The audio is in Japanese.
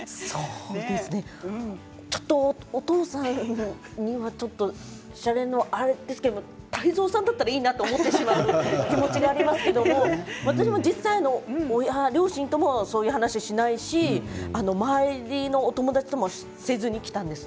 ちょっとお父さんには泰造さんだったらいいなと思ってしまう気持ちがありますけれど、私は実際両親ともそういう話をしないし周りのお友達もせずにきたんです。